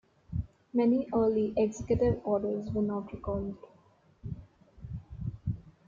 Many early executive orders were not recorded.